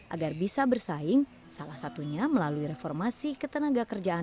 agar bisa bersaing salah satunya melalui reformasi ketenaga kerjaan